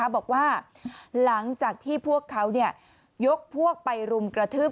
บอกว่าหลังจากที่พวกเขายกพวกไปรุมกระทืบ